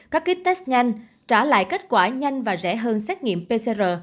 các kit test nhanh trả lại kết quả nhanh và rẻ hơn xét nghiệm pcr